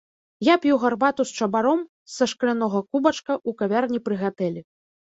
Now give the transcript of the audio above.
Я п'ю гарбату з чабаром са шклянога кубачка ў кавярні пры гатэлі.